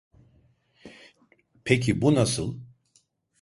Peki bu nasıl?